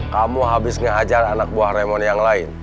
kamu habis ngehajar anak buah raymond yang lain